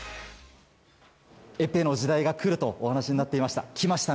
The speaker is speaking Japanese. エペの時代が来るとお話しになっていました。